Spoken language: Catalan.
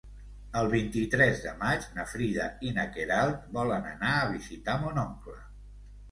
El vint-i-tres de maig na Frida i na Queralt volen anar a visitar mon oncle.